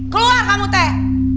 keluar kamu teh